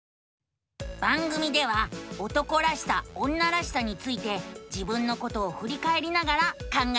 番組では「男らしさ女らしさ」について自分のことをふりかえりながら考えているのさ。